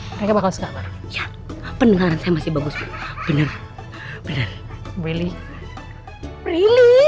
mereka bakal seka ya pendengaran saya masih bagus bener bener beli beli